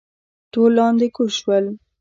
ټول لاندې کوز شول.